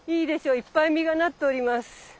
いっぱい実がなっております。